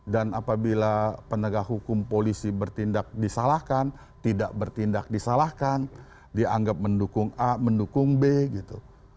dan apabila penegak hukum polisi bertindak disalahkan tidak bertindak disalahkan dianggap mendukung a mendukung b gitu